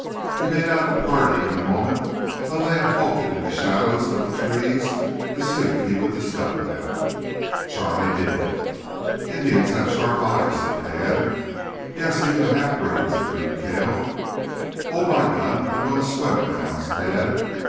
He made out the party in a moment, though they had halted in the shadows of the trees to see if he would discover them. Charlie did. "Indians have sharp eyes," said Tad. "Yes, even the half breeds," agreed Cale. "Hold my gun. I'm going to swim it," announced Tad.